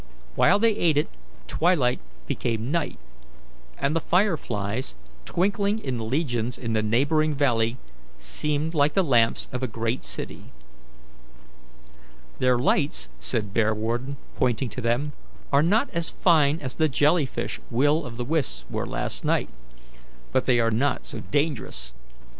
While they ate it, twilight became night, and the fire flies, twinkling in legions in the neighbouring valley, seemed like the lamps of a great city. "Their lights," said Bearwarden, pointing to them, "are not as fine as the jelly fish Will o' the wisps were last night, but they are not so dangerous.